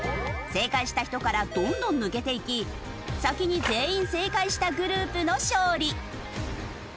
正解した人からどんどん抜けていき先に全員正解したグループの勝利。